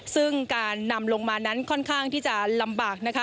ซึ่งการนำลงมานั้นค่อนข้างที่จะลำบากนะคะ